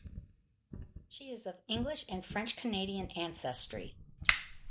She is of English and French-Canadian ancestry.